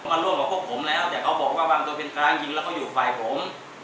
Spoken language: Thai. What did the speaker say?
มาร่วมกับพวกผมแล้วแต่เขาบอกว่าวางตัวเป็นกลางยิงแล้วก็อยู่ฝ่ายผม